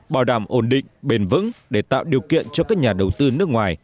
bảo đảm ổn định bền vững để tạo điều kiện cho các nhà đầu tư nước ngoài